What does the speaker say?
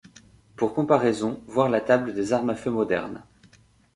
Pour comparaison, voir la table des armes à feu modernes.